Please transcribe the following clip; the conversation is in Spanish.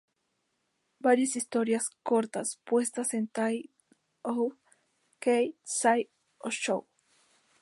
Varias historias cortas, puestas en Tai, Hou, Kei, Sai y Sou.